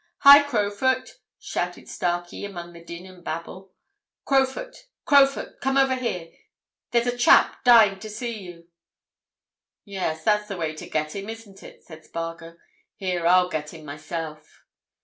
"Hi, Crowfoot!" shouted Starkey above the din and babel. "Crowfoot, Crowfoot! Come over here, there's a chap dying to see you!" "Yes, that's the way to get him, isn't it?" said Spargo. "Here, I'll get him myself."